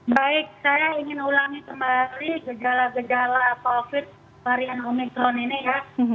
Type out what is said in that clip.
baik saya ingin ulangi kembali gejala gejala covid varian omikron ini ya